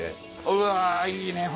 うわいいね。